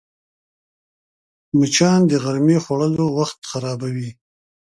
مچان د غرمې خوړلو وخت خرابوي